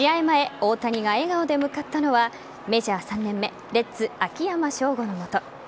前大谷が笑顔で向かったのはメジャー３年目レッズ・秋山翔吾の元。